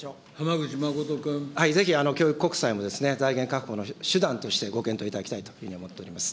ぜひ、教育国債も財源確保の手段としてご検討いただきたいというふうに思っております。